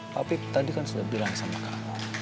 papi tadi kan sudah bilang sama kamu